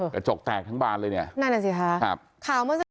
กระจกแตกทั้งบานเลยเนี่ยนั่นแหละสิค่ะ